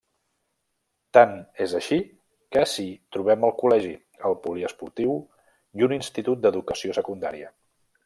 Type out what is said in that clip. Tant és així que ací trobem el col·legi, el poliesportiu i un institut d'educació secundària.